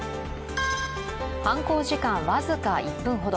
犯行時間僅か１分ほど。